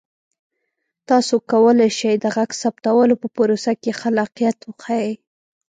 تاسو کولی شئ د غږ ثبتولو په پروسه کې خلاقیت وښایئ.